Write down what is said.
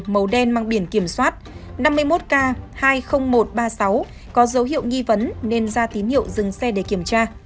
màu đen mang biển kiểm soát năm mươi một k hai mươi nghìn một trăm ba mươi sáu có dấu hiệu nghi vấn nên ra tín hiệu dừng xe để kiểm tra